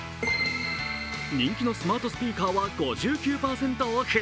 人気のスマートスピーカーは５９％オフ。